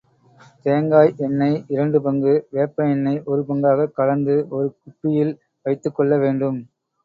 தேங்காய் எண்ணெய் இரண்டு பங்கு, வேப்ப எண்ணெய் ஒரு பங்காகக் கலந்து ஒரு குப்பியில் வைத்துக் கொள்ள வேண்டும்.